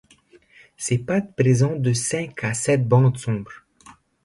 Ses pattes présentent de cinq à sept bandes sombres.